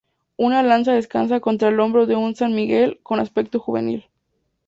Una lanza descansa contra el hombro de un San Miguel con aspecto juvenil.